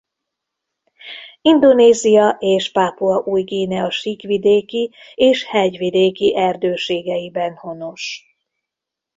Indonézia és Pápua Új-Guinea síkvidéki és hegyvidéki erdőségeiben honos.